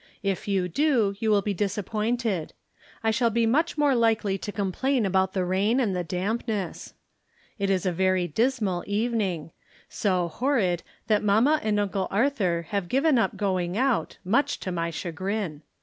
If you do, you will be disappointed. I shall be much more likely to complain of the rain and the damp ness. It is a very dismal evening; so horrid that mamma and Uncle Arthur have given up going out, much to my chagrin.